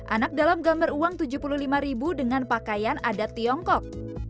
anak dalam gambar uang rp tujuh puluh lima dengan pakaian adat tiongkok